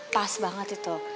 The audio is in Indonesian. pas banget itu